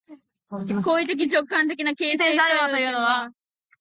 行為的直観的なる形成作用というのは、